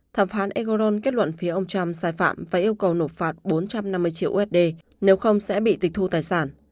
thẩm phán egoron kết luận phía ông trump sai phạm và yêu cầu nộp phạt bốn trăm năm mươi triệu usd nếu không sẽ bị tịch thu tài sản